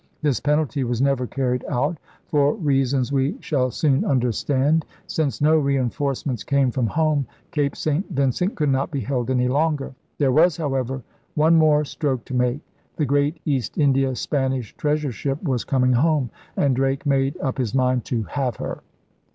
This penalty was never carried out, for reasons we shall soon under stand. Since no reinforcements came from home, Cape St. Vincent could not be held any longer. There was, however, one more stroke to make. The great East India Spanish treasure ship was coming home; and Drake made up his mind to have her.